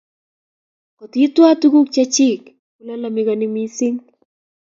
kot i twa tuguk che chik ko lalamikani mising